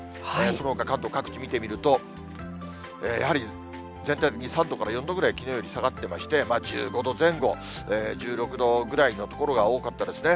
そのほか、関東各地見てみると、やはり全体に２度から４度ぐらい、きのうより下がっていまして、１５度前後、１６度ぐらいの所が多かったですね。